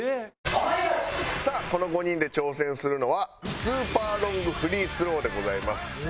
さあこの５人で挑戦するのはスーパーロングフリースローでございます。